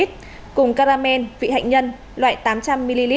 cùng kramen vị hạnh nhân loại tám trăm linh ml